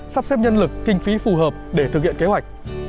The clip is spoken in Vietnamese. sắp xếp nhân lực kinh phí phù hợp để thực hiện kế hoạch